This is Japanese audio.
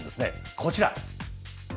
こちら。